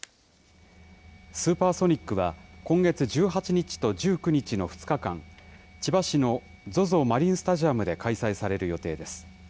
スーパーソニックは今月１８日と１９日の２日間、千葉市のＺＯＺＯマリンスタジアムで開催される予定です。